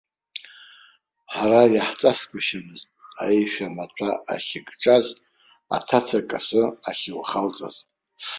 Ҳара иаҳҵасгәышьамызт аишәа маҭәа шыкҿаз, аҭаца касы ахьылхалҵаз.